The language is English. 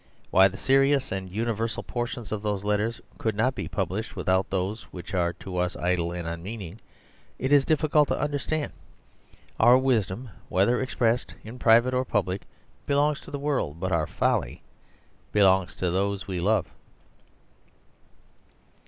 Why the serious and universal portions of those Letters could not be published without those which are to us idle and unmeaning it is difficult to understand. Our wisdom, whether expressed in private or public, belongs to the world, but our folly belongs to those we love.